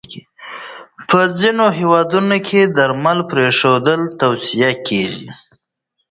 په ځینو هېوادونو کې درمل پرېښودل توصیه کېږي.